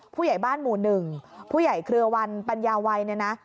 ผู้ใหญ่บ้านหมู่หนึ่งผู้ใหญ่เครือวันปัญญาวัยเนี่ยนะ